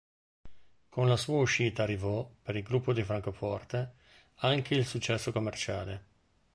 Con la sua uscita arrivò, per il gruppo di Francoforte, anche il successo commerciale.